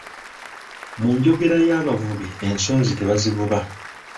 Mu njogera y’abavubi ensonzi tebazivuba.